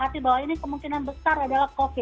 hati bawah ini kemungkinan besar adalah covid